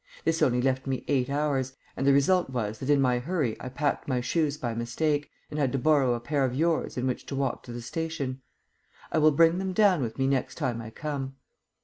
This only left me eight hours, and the result was that in my hurry I packed my shoes by mistake, and had to borrow a pair of yours in which to walk to the station. _I will bring them down with me next time I come.